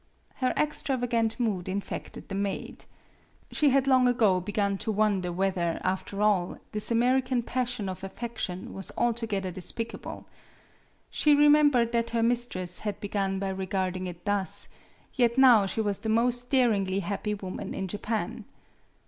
Her extravagant mood infected the maid. She had long ago begun to wonder whether, after all, this American passion of affection was altogether despicable. She remembered that her mistress had begun by regarding it thus; yet now she was the most daringly happy woman in Japan.